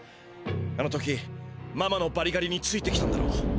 あの時ママのバリガリについてきたんだろ。